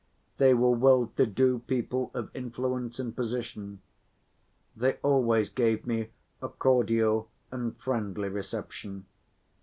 They were well‐to‐do people of influence and position. They always gave me a cordial and friendly reception.